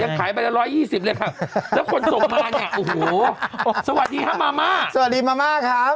ขายใบละ๑๒๐เลยค่ะแล้วคนส่งมาเนี่ยโอ้โหสวัสดีครับมาม่าสวัสดีมาม่าครับ